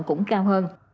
cũng cao hơn